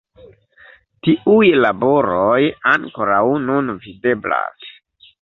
Tiuj laboroj ankoraŭ nun videblas.